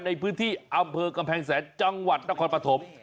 ในพื้นที่อำเภอกำแพงแสนจังหวัดนครปฐม